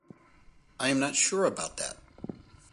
I am not sure about that.